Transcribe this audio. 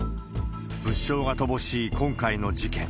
物証が乏しい今回の事件。